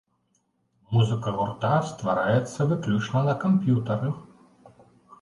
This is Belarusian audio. Музыка гурта ствараецца выключна на камп'ютары.